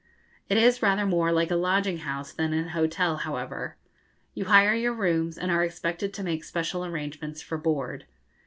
It is rather more like a lodging house than an hotel, however. You hire your rooms, and are expected to make special arrangements for board.